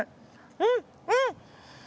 うんうん！